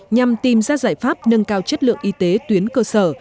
nhằm tìm ra giải pháp nâng cao chất lượng y tế tuyến cơ sở